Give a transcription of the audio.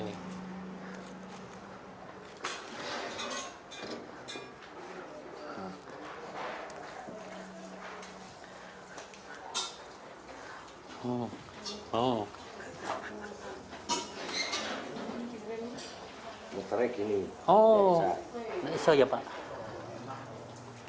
tidak bisa pak